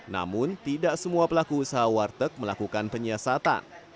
namun tidak semua pelaku usaha warteg melakukan penyiasatan